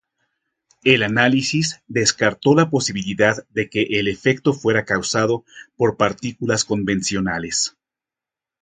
El análisis descartó la posibilidad de que el efecto fuera causado por partículas convencionales.